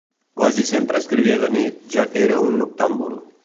Quasi sempre escrivia de nit, ja que era un noctàmbul.